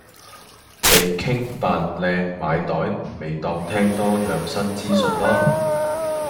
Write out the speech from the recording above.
地傾扮靚買袋咪當聽多樣新資訊囉